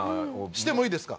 してもいいですか？